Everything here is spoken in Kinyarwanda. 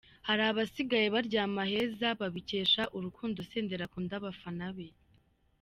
Hari abasigaye baryama heza babikesha urukundo Senderi akunda abafana be.